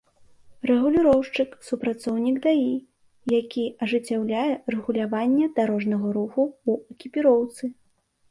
Рэгуліроўшчык — супрацоўнік ДАІ, які ажыццяўляе рэгуляванне дарожнага руху ў экіпіроўцы